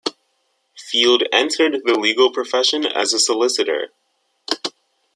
Field entered the legal profession as a solicitor.